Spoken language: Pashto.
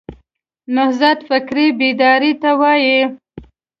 نهضت فکري بیداري ته وایي.